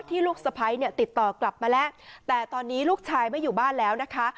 ลูกสะพ้ายเนี่ยติดต่อกลับมาแล้วแต่ตอนนี้ลูกชายไม่อยู่บ้านแล้วนะคะ